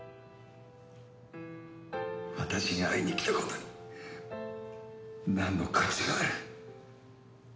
私に会いに来たことになんの価値がある？